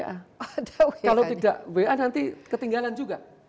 kalau tidak wa nanti ketinggalan juga